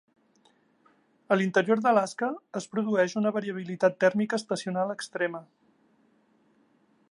A l'interior d'Alaska es produeix una variabilitat tèrmica estacional extrema.